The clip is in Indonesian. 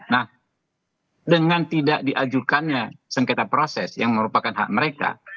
nah dengan tidak diajukannya sengketa proses yang merupakan hak mereka